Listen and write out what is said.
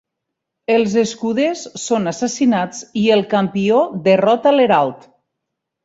Els escuders son assassinats i el campió derrota l'herald.